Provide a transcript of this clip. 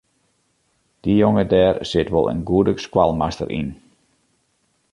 Dy jonge dêr sit wol in goede skoalmaster yn.